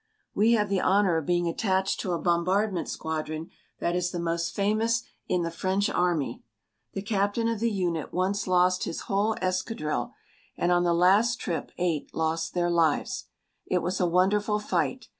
We have the honour of being attached to a bombardment squadron that is the most famous in the French Army. The captain of the unit once lost his whole escadrille, and on the last trip eight lost their lives. It was a wonderful fight.